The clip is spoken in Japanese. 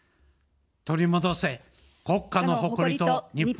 取り戻せ国家の誇りと日本のくらし。